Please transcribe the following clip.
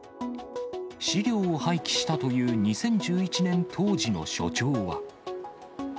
資料を廃棄したという２０１１年当時の所長は。